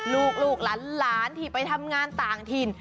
ลูกหลานที่ไปทำงานต่างถิ่น